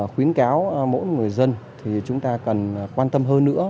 khuyến cáo mỗi người dân thì chúng ta cần quan tâm hơn nữa